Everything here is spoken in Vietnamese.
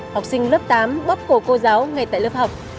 học sinh lớp tám bóp cổ cô giáo ngay tại lớp học